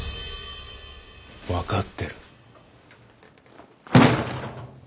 分かってる。